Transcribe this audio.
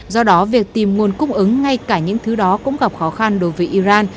do đó việc tìm nguồn cung ứng ngay cả những thứ đó cũng gặp khó khăn đối với iran